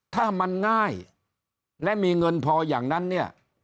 ถ้ามันง่ายและมีเงินพออย่างนั้นเนี่ย